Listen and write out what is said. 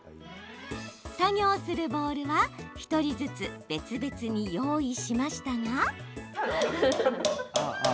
作業するボウルは、１人ずつ別々に用意しましたが。